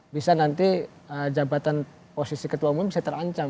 bisa nanti jabatan posisi ketua umum bisa terancam